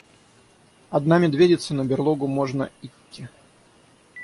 Одна медведица, на берлогу можно итти.